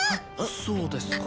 そうですか。